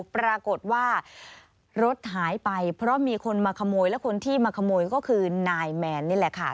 ปรากฏว่ารถหายไปเพราะมีคนมาขโมยและคนที่มาขโมยก็คือนายแมนนี่แหละค่ะ